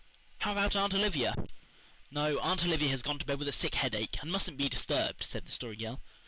How about Aunt Olivia? "No, Aunt Olivia has gone to bed with a sick headache and mustn't be disturbed," said the Story Girl.